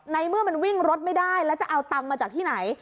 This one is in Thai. ในเมื่อมันวิ่งรถไม่ได้แล้วจะเอาตังค์มาจากที่ไหน